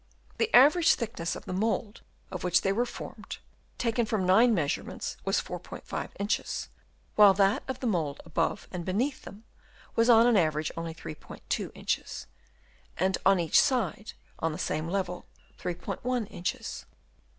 The average thickness of the mould of which they were formed, taken from nine measurements, was 4*5 inches; while that of the mould above and beneath them was on an average only 3*2 inches, and on each side, on the same level, 3*1 inches.